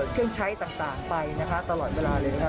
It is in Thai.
เครื่องใช้ต่างไปนะคะตลอดเวลาเลยนะคะ